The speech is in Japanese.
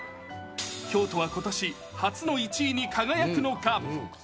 京都はことし、初の１位に輝くのか？